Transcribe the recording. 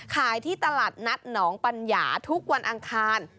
ขายที่ตลาดนัดหนองปัญญาทุกวันอังคาร